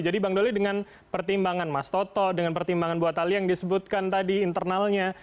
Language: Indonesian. jadi bang doli dengan pertimbangan mas toto dengan pertimbangan buat alia yang disebutkan tadi internalnya